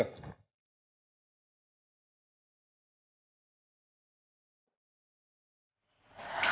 aduh rekomendasi kekasihnya